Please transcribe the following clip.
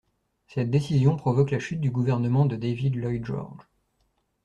Cette décision provoque la chute du gouvernement de David Lloyd George.